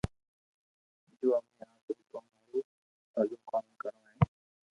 جو امي آپري قوم ھارو ڀلو ڪوم ڪرو ھين